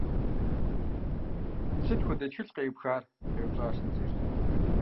– Сыт хуэдэ тхылъ къеӀыпхар? – къеупщӀащ Назир.